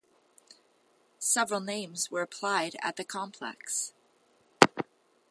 Several names were applied at the complex.